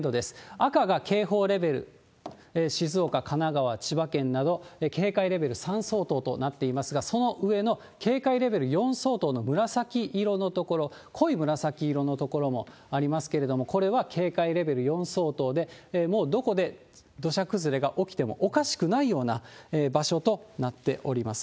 赤が警報レベル、静岡、神奈川、千葉県など、警戒レベル３相当となっていますが、その上の警戒レベル４相当の紫色の所、濃い紫色の所もありますけれども、これは警戒レベル４相当で、もうどこで土砂崩れが起きてもおかしくないような場所となっております。